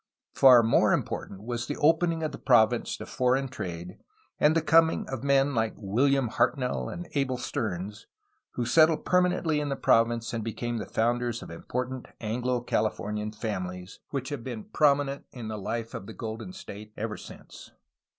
Far more important was the opening of the province to foreign trade and the coming of men like WilHam Hartnell UNDER MEXICAN GOVERNORS, 1822 1835 457 and Abel Stearns, who settled permanently in the province and became the founders of important Anglo Californian families which have been prominent in the life of the Golden State ever since.